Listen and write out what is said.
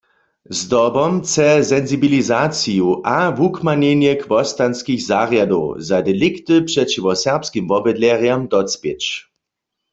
Zdobom chce sensibilizaciju a wukmanjenje chłostanskich zarjadow za delikty přećiwo serbskim wobydlerjam docpěć.